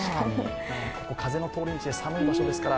風の通り道で寒い場所ですから。